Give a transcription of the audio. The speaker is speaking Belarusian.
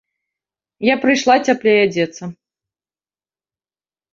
Я прыйшла цяплей адзецца.